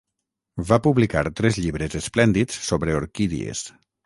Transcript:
Va publicar tres llibres esplèndids sobre orquídies.